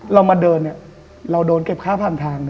เราเดินเราโดนเก็บค่าผ่านทาง